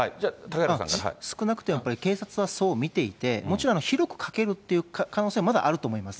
少なくとも警察はそう見ていて、もちろん広くかけるという可能性もまだあると思います。